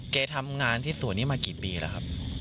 แกทำงานที่สวนนี้มากี่ปีแล้วครับ